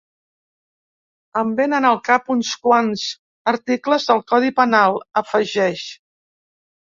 Em vénen al cap uns quants articles del codi penal, afegeix.